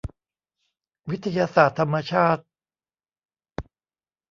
วิทยาศาสตร์ธรรมชาติ